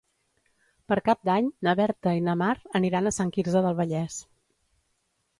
Per Cap d'Any na Berta i na Mar aniran a Sant Quirze del Vallès.